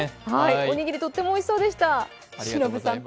おにぎりとってもおいしそうでした。